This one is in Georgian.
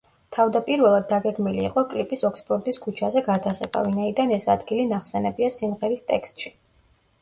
თავდაპირველად დაგეგმილი იყო კლიპის ოქსფორდის ქუჩაზე გადაღება, ვინაიდან ეს ადგილი ნახსენებია სიმღერის ტექსტში.